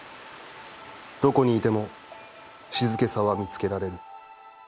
どこにいても静けさは見つけられる。